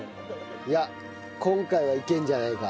いや今回はいけるんじゃないか？